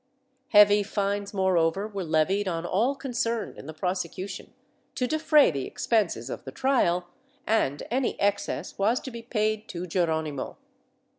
Heavy fines moreover were levied on all concerned in the prosecution, to defray the expenses of the trial, and any excess was to be paid to Geron imo.